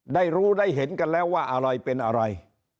ได้รู้ได้เห็นกันแล้วว่าอะไรเป็นอะไร